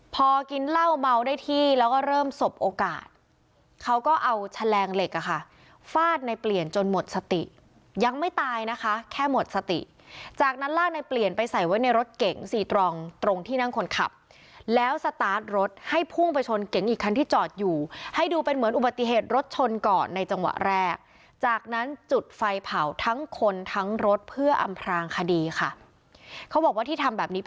พอกินเหล้าเมาได้ที่แล้วก็เริ่มสบโอกาสเขาก็เอาแฉลงเหล็กอ่ะค่ะฟาดในเปลี่ยนจนหมดสติยังไม่ตายนะคะแค่หมดสติจากนั้นลากในเปลี่ยนไปใส่ไว้ในรถเก๋งซีตรองตรงที่นั่งคนขับแล้วสตาร์ทรถให้พุ่งไปชนเก๋งอีกคันที่จอดอยู่ให้ดูเป็นเหมือนอุบัติเหตุรถชนก่อนในจังหวะแรกจากนั้นจุดไฟเผาทั้งคนทั้งรถเพื่ออำพรางคดีค่ะเขาบอกว่าที่ทำแบบนี้ป